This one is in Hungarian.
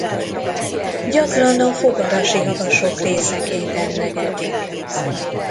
Gyakran a Fogarasi-havasok részeként emlegetik.